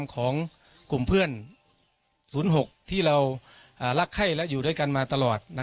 ของกลุ่มเพื่อน๐๖ที่เรารักไข้และอยู่ด้วยกันมาตลอด